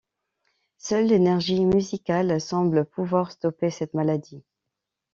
Seule l'énergie musicale semble pouvoir stopper cette maladie.